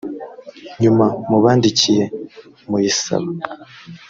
nyuma mubandikiye muyisaba